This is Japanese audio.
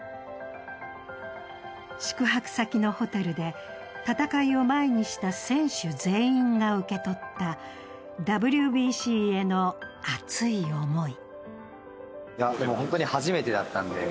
宿泊先のホテルで戦いを前にした選手全員が受け取ったＷＢＣへの熱い思い。